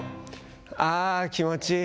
あー、気持ちいい。